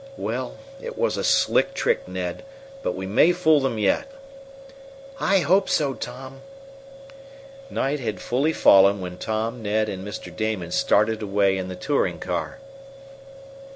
Well, it was a slick trick, Ned, but we may fool them yet." "I hope so, Tom." Night had fully fallen when Tom, Ned, and Mr. Damon started away in the touring car.